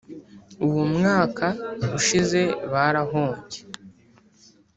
Uwo mwaka ushize barahombye